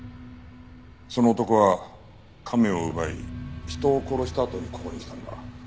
その男は亀を奪い人を殺したあとにここに来たんだ。